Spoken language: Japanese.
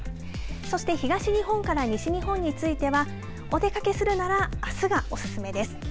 そして東日本から西日本についてはお出かけするならあすがおすすめです。